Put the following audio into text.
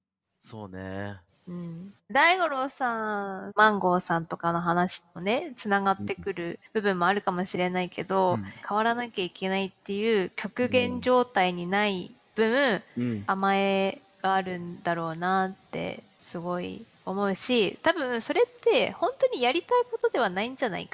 マンゴーさんとかの話とねつながってくる部分もあるかもしれないけど変わらなきゃいけないっていう極限状態にない分甘えがあるんだろうなってすごい思うしたぶんそれって本当にやりたいことではないんじゃないかなって。